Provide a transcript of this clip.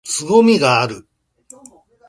凄みがある！！！！